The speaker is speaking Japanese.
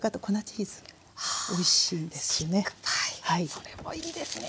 それもいいですね。